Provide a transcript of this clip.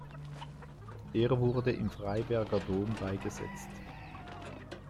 Er wurde im Freiberger Dom beigesetzt.